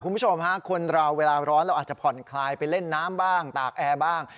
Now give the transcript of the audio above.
คุณผู้ชมฮะคนเราเวลาร้อนเราอาจจะผ่อนคลายไปเล่นน้ำบ้างตากแอร์บ้าง